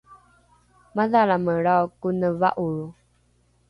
madhalamelrao kone va’oro